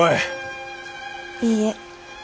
いいえ。